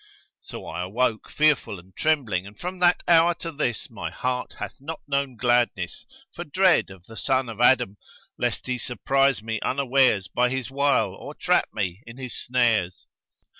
So I awoke, fearful and trembling and from that hour to this my heart hath not known gladness, for dread of the son of Adam, lest he surprise me unawares by his wile or trap me in his snares.